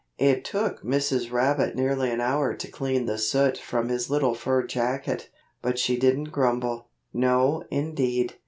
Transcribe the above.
It took Mrs. Rabbit nearly an hour to clean the soot from his little fur jacket. But she didn't grumble. No indeed!